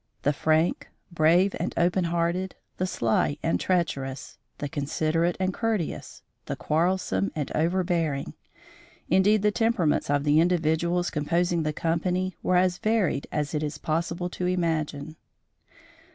The frank, brave and open hearted, the sly and treacherous, the considerate and courteous, the quarrelsome and overbearing indeed the temperaments of the individuals composing the company were as varied as it is possible to imagine.